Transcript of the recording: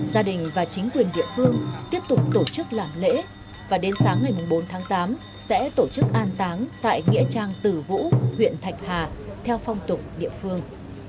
gia đình và chính quyền địa phương tiếp tục tổ chức làm lễ và đến sáng ngày bốn tháng tám sẽ tổ chức an táng tại nghĩa trang tử vũ huyện thạch hà theo phong tục địa phương